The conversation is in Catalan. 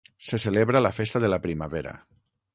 Se celebra la festa de la primavera.